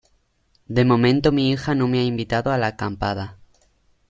de momento mi hija no me ha invitado a la acampada